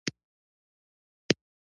هرڅه ډېر واضح ښکارېدل.